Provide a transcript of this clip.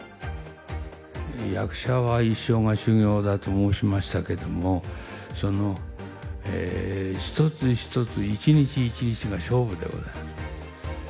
「役者は一生が修業だ」と申しましたけどもその一つ一つ一日一日が勝負でございます。